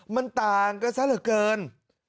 มันต่างกันซะเหลือเกิน